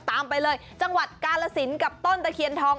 ตามไปเลยจังหวัดกาลสินกับต้นตะเคียนทอง